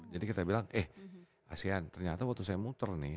jadi kita bilang eh asean ternyata waktu saya muter nih